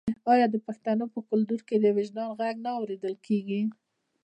آیا د پښتنو په کلتور کې د وجدان غږ نه اوریدل کیږي؟